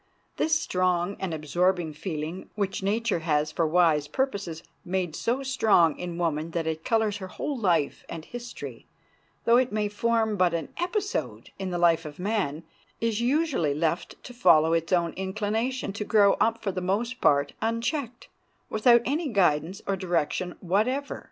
This strong and absorbing feeling, which nature has for wise purposes made so strong in woman that it colors her whole life and history, though it may form but an episode in the life of man, is usually left to follow its own inclination, and to grow up for the most part unchecked, without any guidance or direction whatever.